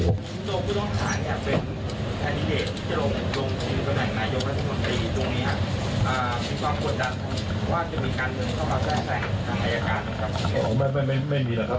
ไม่มีนะครับเราพินาสำนวนตามปัญญาหลักข่าวอยู่แล้วครับ